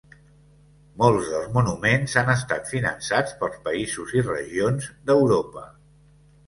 Molts dels monuments han estat finançats pels països i regions d'Europa.